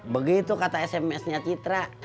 begitu kata smsnya citra